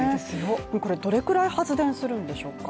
これ、どれくらい発電するんでしょうか。